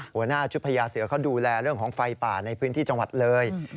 หัวหน้าชุดพญาเสือเขาดูแลเรื่องของไฟป่าในพื้นที่จังหวัดเลย